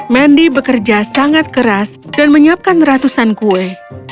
mendi bekerja sangat keras dan menyiapkan ratusan kue